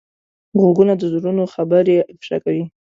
غوږونه د زړونو خبرې افشا کوي